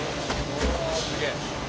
うわすげえ。